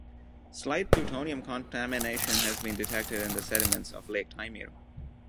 Slight plutonium contamination has been detected in the sediments of Lake Taymyr.